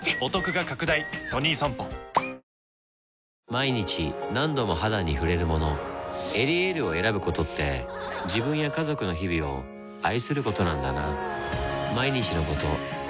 毎日何度も肌に触れるもの「エリエール」を選ぶことって自分や家族の日々を愛することなんだなぁ